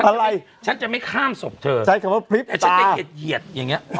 อะไรฉันจะไม่ข้ามศพเธอใช้คำว่าพริบตาแต่ฉันจะเหยียดเหยียดอย่างเงี้ย